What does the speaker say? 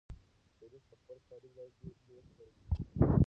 شریف په خپل کاري ځای کې ډېر ستړی کېږي.